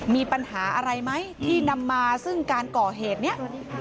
มีปัญหาอะไรไหมที่นำมาซึ่งการก่อเหตุนี้